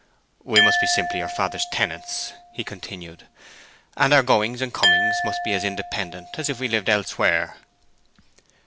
"We must be simply your father's tenants," he continued, "and our goings and comings must be as independent as if we lived elsewhere."